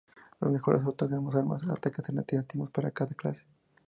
Las mejoras otorgan armas o ataques alternativos para cada clase.